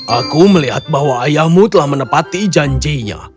aku melihat bahwa ayahmu telah menepati janjinya